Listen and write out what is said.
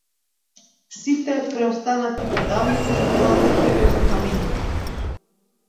Сите преостанати продавници со бела техника и со камини.